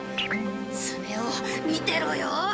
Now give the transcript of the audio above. スネ夫見てろよ！